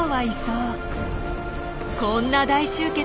こんな大集結